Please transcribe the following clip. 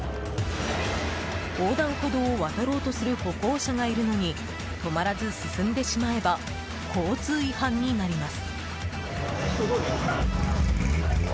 横断歩道を渡ろうとする歩行者がいるのに止まらず進んでしまえば交通違反になります。